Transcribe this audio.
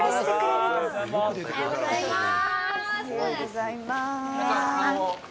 おはようございます。